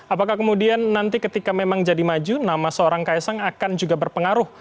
apakah kemudian nanti ketika memang jadi maju nama seorang kaisang akan juga berpengaruh